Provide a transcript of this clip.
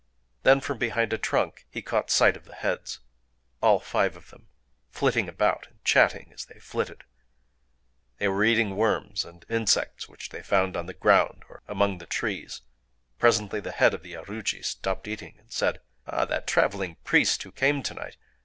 Then, from behind a trunk, he caught sight of the heads,—all five of them,—flitting about, and chatting as they flitted. They were eating worms and insects which they found on the ground or among the trees. Presently the head of the aruji stopped eating and said:— "Ah, that traveling priest who came to night!